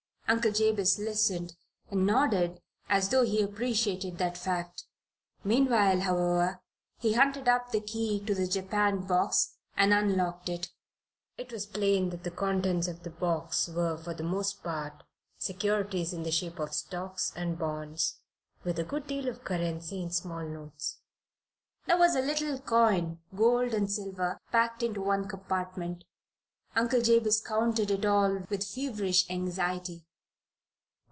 Uncle Jabez listened and nodded as though he appreciated that fact. Meanwhile, however, he hunted up the key to the japanned box and unlocked it. It was plain that the contents of the box were for the most part securities in the shape of stocks and bonds, with a good deal of currency in small notes. There was a little coin gold and silver packed into one compartment. Uncle Jabez counted it all with feverish anxiety.